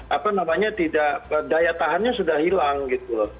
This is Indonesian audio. apa namanya tidak daya tahannya sudah hilang gitu loh